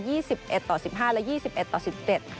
ี่สิบเอ็ดต่อสิบห้าและยี่สิบเอ็ดต่อสิบเจ็ด